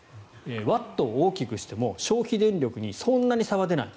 ワットを大きくしても消費電力にそんなに差は出ない。